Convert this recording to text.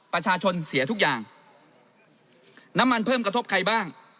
ประชาชนเสียทุกอย่างน้ำมันเพิ่มกระทบใครบ้าง